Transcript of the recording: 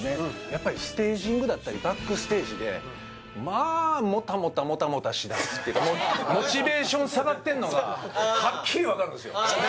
やっぱりステージングだったりバックステージでまあーモタモタモタモタしだすっていうかモチベーション下がってるのがハッキリ分かるんですよ